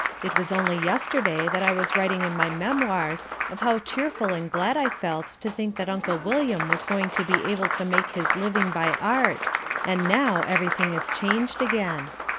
It was only yesterday that I was writing in my memoirs of how cheerful and glad I felt to think that Uncle William was going to be able to make his living by art, and now everything is changed again.